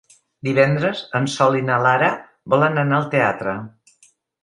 Divendres en Sol i na Lara volen anar al teatre.